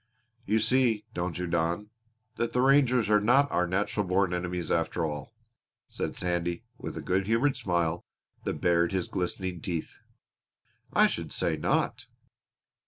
"You see, don't you, Don, that the rangers are not our natural born enemies after all," said Sandy, with a good humored smile that bared his glistening teeth. "I should say not!"